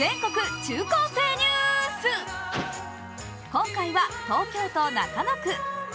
今回は東京都中野区。